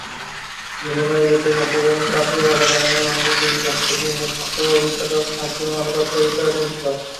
লিমনের বিরুদ্ধে সরকারি কাজে বাধাদানের মামলাটি ঝালকাঠির মুখ্য বিচারিক হাকিম আদালতে বিচারাধীন ছিল।